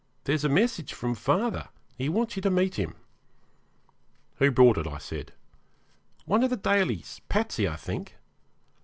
'There is a message from father. He wants you to meet him.' 'Who brought it?' I said. 'One of the Dalys Patsey, I think.'